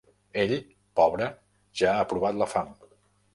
Ell, pobre, ja ha provat la fam.